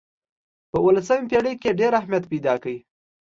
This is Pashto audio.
په اولسمه پېړۍ کې یې ډېر اهمیت پیدا کړ.